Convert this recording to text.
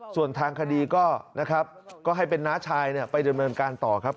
ส่วนทางคดีก็นะครับก็ให้เป็นน้าชายไปดำเนินการต่อครับ